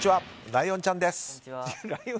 ライオンちゃんです。